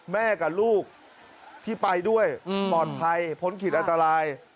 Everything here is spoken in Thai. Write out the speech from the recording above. แม่กับลูกที่ไปด้วยปลอดภัยพ้นขีดอันตราย